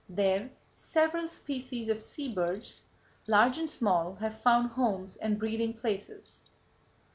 There several species of sea birds, large and small, have found homes and breeding places.